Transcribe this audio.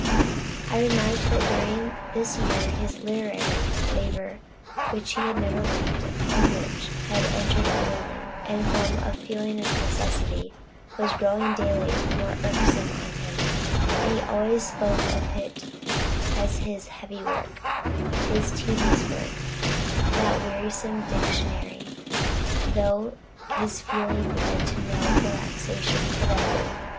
I remarked, that during this year his literary labor, which he had never liked, and upon which he had entered unwillingly and from a feeling of necessity, was growing daily more irksome to him; and he always spoke of it as his "heavy work," his "tedious work," "that wearisome dictionary," &c., though this feeling led to no relaxation of effort.